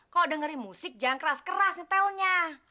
kalo dengerin musik jangan keras keras nih telnya